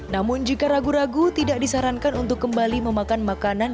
namun jika ragu ragu tidak disarankan untuk kembali memakan makanan